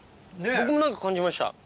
僕も何か感じました。